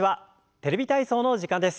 「テレビ体操」の時間です。